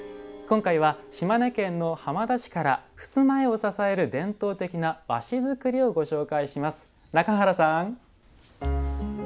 今回は島根県の浜田市から襖絵を支える伝統的な和紙作りをご紹介します中原さん！